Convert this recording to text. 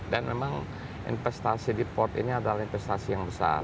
memang investasi di port ini adalah investasi yang besar